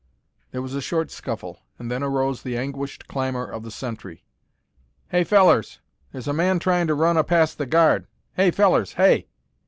There was a short scuffle, and then arose the anguished clamor of the sentry: "Hey, fellers! Here's a man tryin' to run a past the guard. Hey, fellers! Hey!"